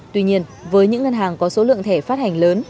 tuy nhiên với những ngân hàng có số lượng thẻ phát hành lớn